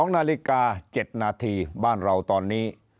๒นาฬิกา๗นาทีบ้านเราตอนนี้